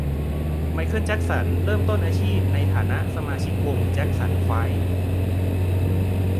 ไมเคิล แจ็คสัน เริ่มต้นอาชีพ ในฐานะสมาชิกวงแจ็คสันไฟว์